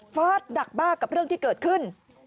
ฟาดหนักมากกับเรื่องที่เกิดขึ้น